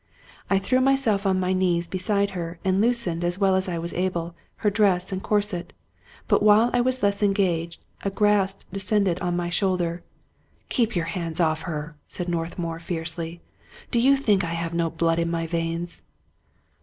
I threw myself on my knees beside her, and loosened, as well as I was able, her dress and corset; but while I was thus engaged, a grasp descended on my shoulder. " Keep your hands off her," said Northmour, fiercely. " Do you think I have no blood in my veins